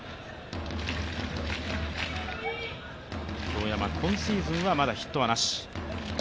京山、今シーズンはまだヒットはなし。